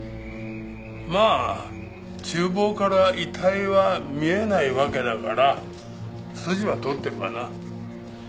まあ厨房から遺体は見えないわけだから筋は通ってるわな。